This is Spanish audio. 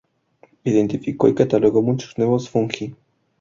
Identificó y catalogó muchos nuevos fungi.